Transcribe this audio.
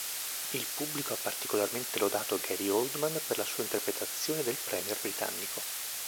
Il pubblico ha particolarmente lodato Gary Oldman per la sua interpretazione del premier britannico.